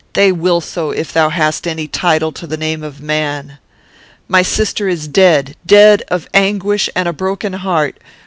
They will so, if thou hast any title to the name of man. "'My sister is dead; dead of anguish and a broken heart.